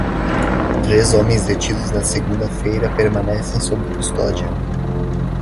Três homens detidos na segunda-feira permanecem sob custódia.